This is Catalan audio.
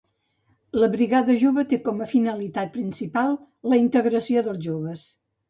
La brigada jove té com a finalitat principal la integració dels joves